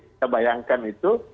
kita bayangkan itu